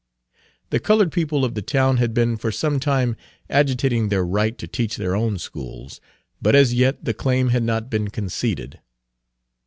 The colored people of the town had been for some time agitating their right to teach their own schools, but as yet the claim had not been conceded.